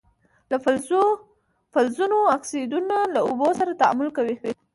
د فلزونو اکسایدونه له اوبو سره تعامل کوي.